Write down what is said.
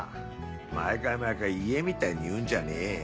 毎回毎回家みたいに言うんじゃねえよ。